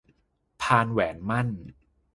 พานแหวนหมั้น